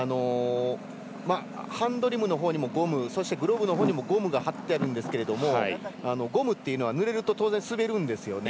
ハンドルのほうにもゴムグローブのほうにもゴムが張ってあるんですけどもゴムっていうのはぬれると当然、滑るんですよね。